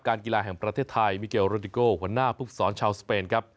กีฬาแห่งประเทศไทยมิเกลโรดิโกหัวหน้าภูมิสอนชาวสเปนครับ